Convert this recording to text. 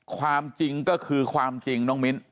ความจริงก็คือความจริงน้องมิ้น